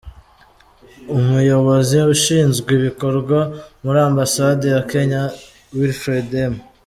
Umuyobozi ushinzwe ibikorwa muri Ambasade ya Kenya, Wilfred M.